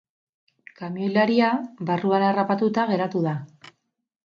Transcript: Kamioilaria barruan harrapatuta geratu da.